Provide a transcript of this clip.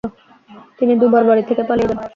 তিনি দুবার বাড়ি থেকে পালিয়ে যান।